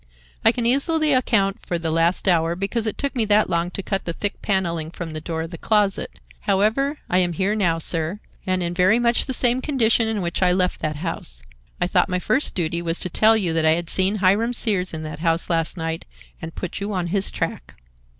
I can easily account for the last hour because it took me that long to cut the thick paneling from the door of the closet. However, I am here now, sir, and in very much the same condition in which I left that house. I thought my first duty was to tell you that I had seen Hiram Sears in that house last night and put you on his track."